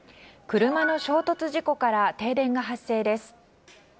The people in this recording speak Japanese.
車の衝突事件から停電が発生です。